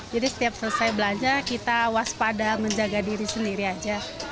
jadi setiap selesai belanja kita waspada menjaga diri sendiri aja